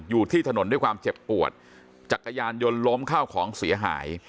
อยู่ที่ถนนด้วยความเจ็บปวดจักรยานยนต์ล้มข้าวของเสียหาย